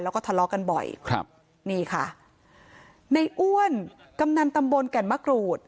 แล้วก็ทะเลาะกันบ่อยครับนี่ค่ะในอ้วนกำนันตำบลแก่นมะกรูด